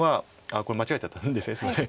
これ間違えちゃったんですよねすいません。